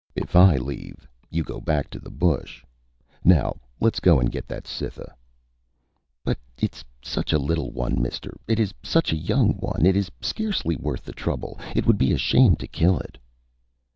If I leave, you go back to the bush. Now let's go and get that Cytha." "But it is such a little one, mister! It is such a young one! It is scarcely worth the trouble. It would be a shame to kill it."